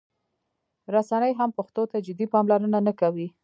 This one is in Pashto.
رسنۍ هم پښتو ته جدي پاملرنه نه کوي.